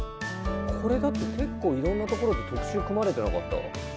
これだって結構いろんなところで特集組まれてなかった？